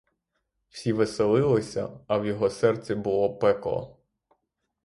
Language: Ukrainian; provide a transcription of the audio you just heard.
Всі веселилися, а в його серці було пекло.